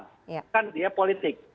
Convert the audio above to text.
bukan dia politik